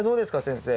先生。